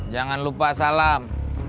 jangan lupa salam